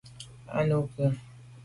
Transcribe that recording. A nu ke ?